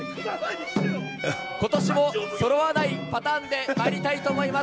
ことしもそろわないパターンでまいりたいと思います。